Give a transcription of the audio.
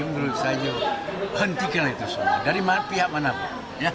ini perlu disayangkan hentikanlah itu semua dari pihak mana pun